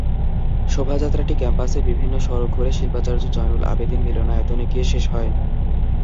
শোভাযাত্রাটি ক্যাম্পাসে বিভিন্ন সড়ক ঘুরে শিল্পাচার্য জয়নুল আবেদিন মিলনায়তনে গিয়ে শেষ হয়।